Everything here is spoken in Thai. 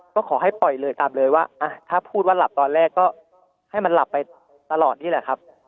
ก็ขอให้ปล่อยเลยตามเลยว่าถ้าพูดว่าหลับตอนแรกก็ให้มันหลับไปตลอดนี่แหละครับ